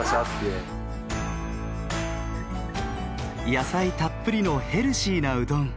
野菜たっぷりのヘルシーなうどん。